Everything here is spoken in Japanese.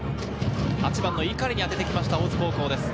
８番の碇に当てて来ました、大津高校です。